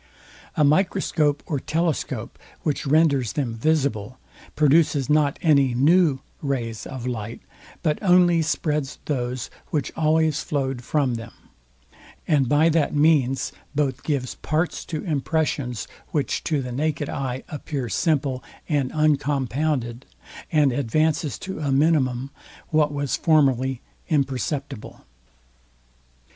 A microscope or telescope, which renders them visible, produces not any new rays of light, but only spreads those, which always flowed from them; and by that means both gives parts to impressions, which to the naked eye appear simple and uncompounded, and advances to a minimum, what was formerly imperceptible.